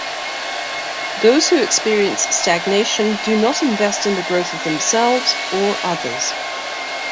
Those who experience stagnation do not invest in the growth of themselves or others.